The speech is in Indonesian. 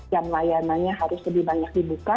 yang layanannya harus lebih banyak dibuka